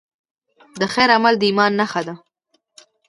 د خیر عمل د ایمان نښه ده.